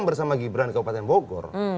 bersama gibran di kabupaten bogor